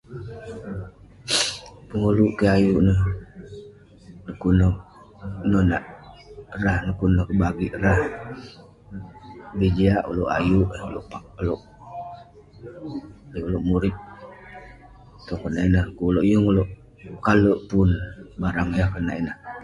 Pengoluk kik ayuk neh, dekuk neh nonak rah dekuk neh kebagik rah. Lobih jiak ulouk ayuk eh, ulouk pa- ayuk ulouk murip. [unintelligible] dekuk yeng ulouk kalek pun barang yak konak ineh.